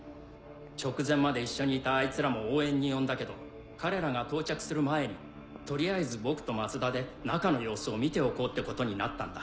直前まで一緒にいたあいつらも応援に呼んだけど彼らが到着する前に取りあえず僕と松田で中の様子を見ておこうってことになったんだ。